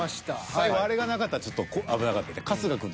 最後あれがなかったらちょっと危なかったね。